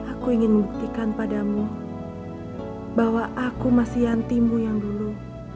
aku ingin membuktikan padamu bahwa aku masih yantimu yang dulu